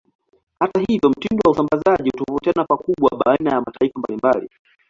Hata hivyo, mtindo wa usambazaji hutofautiana pakubwa baina ya mataifa mbalimbali.